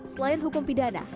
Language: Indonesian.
selain hukum pidana